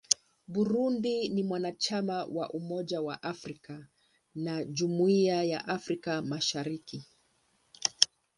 Burundi ni mwanachama wa Umoja wa Afrika na wa Jumuiya ya Afrika Mashariki.